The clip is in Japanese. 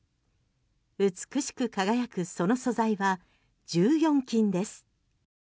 美しく輝くその素材は１４金です。